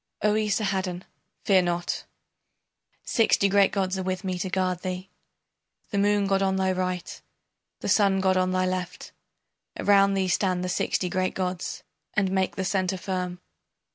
O Esarhaddon, fear not. Sixty great gods are with me to guard thee, The Moon god on thy right, the Sun god on thy left, Around thee stand the sixty great gods, And make the centre firm.